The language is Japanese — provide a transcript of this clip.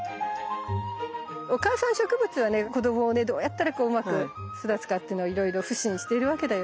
お母さん植物はね子どもをねどうやったらうまく育つかっていうのをいろいろ腐心してるわけだよね。